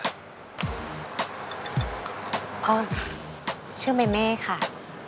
อ้าวชื่อแม่ค่ะ